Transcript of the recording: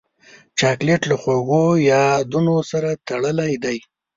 چاکلېټ له خوږو یادونو سره تړلی دی.